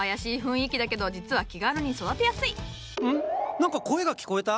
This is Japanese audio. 何か声が聞こえた？